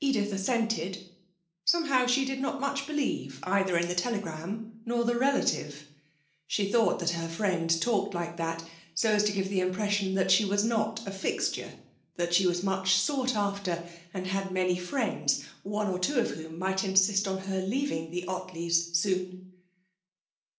Edith assented. Somehow she did not much believe either in the telegram nor the relative. She thought that her friend talked like that so as to give the impression that she was not a fixture; that she was much sought after and had many friends, one or two of whom might insist on her leaving the Ottleys soon.